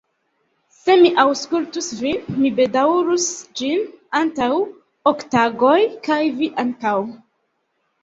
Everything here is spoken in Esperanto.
Se mi aŭskultus vin, mi bedaŭrus ĝin antaŭ ok tagoj, kaj vi ankaŭ.